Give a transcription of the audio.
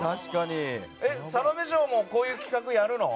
サロメ嬢もこういう企画やるの？